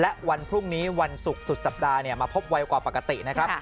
และวันพรุ่งนี้วันศุกร์สุดสัปดาห์มาพบไวกว่าปกตินะครับ